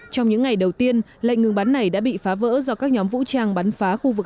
trong những ngày đầu tiên lệnh ngừng bắn này đã bị phá vỡ do các nhóm vũ trang bắn phá khu vực